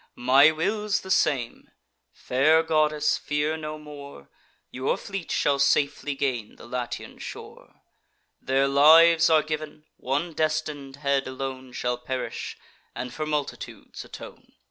My will's the same: fair goddess, fear no more, Your fleet shall safely gain the Latian shore; Their lives are giv'n; one destin'd head alone Shall perish, and for multitudes atone."